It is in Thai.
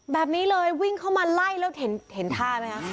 แบบนี้เลยวิ่งเข้ามาไล่แล้วเห็นท่าไหมคะ